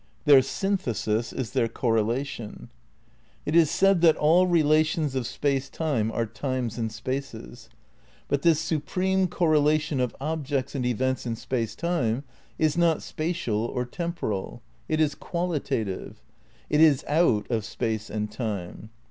Their synthesis is their correlation. It is said that all relations of Space Time are times and spaces. But this supreme correlation of objects and events in Space Time is not spatial or temporal ; it is qualitative ; it is out of Space and Time.